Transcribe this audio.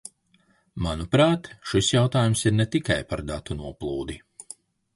Manuprāt, šis jautājums ir ne tikai par datu noplūdi.